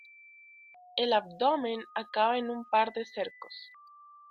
El abdomen acaba en un par de cercos.